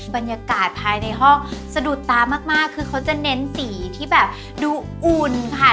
บรรยากาศภายในห้องสะดุดตามากคือเขาจะเน้นสีที่แบบดูอุ่นค่ะ